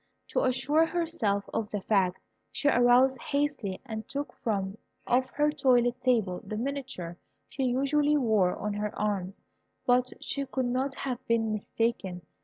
To assure herself of the fact, she arose hastily and took from off her toilet table the miniature she usually wore on her arm; but she could not have been mistaken.